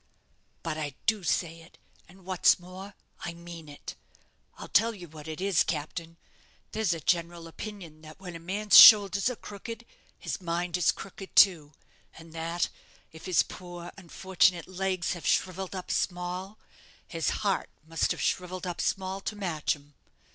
"But I do say it; and what's more, I mean it. I'll tell you what it is, captain, there's a general opinion that when a man's shoulders are crooked, his mind is crooked too; and that, if his poor unfortunate legs have shrivelled up small, his heart must have shrivelled up small to match 'em.